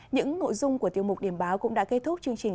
những nội dung của tiêu mục điểm báo cũng đã kết thúc chương trình